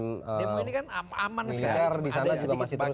demo ini kan aman sekarang